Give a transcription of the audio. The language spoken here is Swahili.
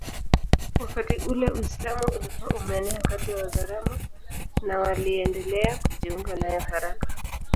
wakati ule Uislamu ulikuwa umeenea kati ya Wazaramo na waliendelea kujiunga nayo haraka